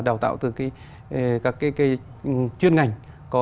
đào tạo từ các chuyên ngành